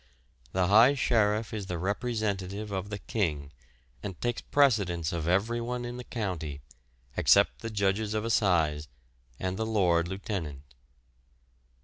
The High Sheriff is the representative of the King, and takes precedence of everyone in the county, except the Judges of Assize and the Lord Lieutenant.